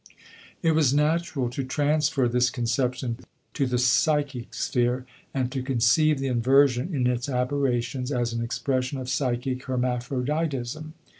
It was natural to transfer this conception to the psychic sphere and to conceive the inversion in its aberrations as an expression of psychic hermaphroditism.